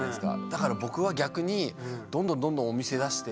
だから僕は逆にどんどんどんどんお店出して。